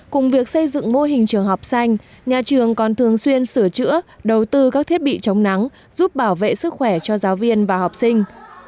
cùng việc xây dựng mô hình trường học xanh nhà trường còn thường xuyên sửa chữa đầu tư các thiết bị chống nắng giúp bảo vệ sức khỏe cho giáo viên và học sinh